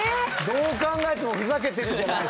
どう考えてもふざけてるじゃないですか。